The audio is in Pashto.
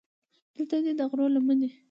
دلته دې د غرو لمنې.